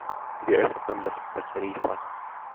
Wie öffnet man das Batteriefach?